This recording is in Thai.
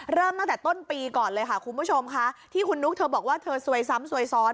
เริ่มตั้งแต่ต้นปีก่อนเลยค่ะคุณผู้ชมค่ะที่คุณนุ๊กเธอบอกว่าเธอซวยซ้ำซวยซ้อน